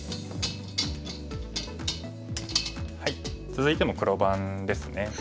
続いても黒番ですね。